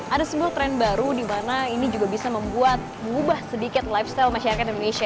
ada sebuah tren baru di mana ini juga bisa membuat mengubah sedikit lifestyle masyarakat indonesia